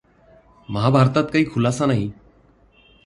महाभारतात काही खुलासा नाही.